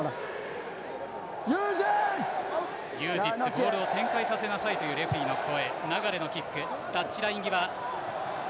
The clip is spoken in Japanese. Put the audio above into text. ボールを展開させなさいというレフリーの声。